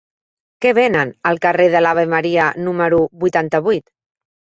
Què venen al carrer de l'Ave Maria número vuitanta-vuit?